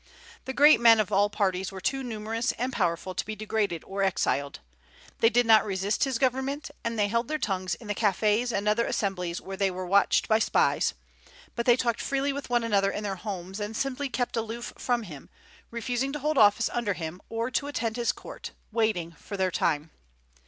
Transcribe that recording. The great men of all parties were too numerous and powerful to be degraded or exiled. They did not resist his government, and they held their tongues in the cafés and other assemblies where they were watched by spies; but they talked freely with one another in their homes, and simply kept aloof from him, refusing to hold office under him or to attend his court, waiting for their time.